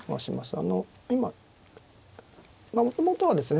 あの今もともとはですね